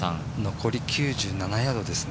残り９７ヤードですね。